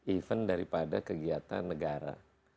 event daripada kegiatan negara